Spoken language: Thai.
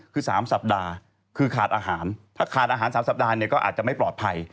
คือ๓สัปดาห์คือขาดอาหารถ้าขาดอาหาร๓สัปดาห์เนี่ยก็อาจจะไม่ปลอดภัย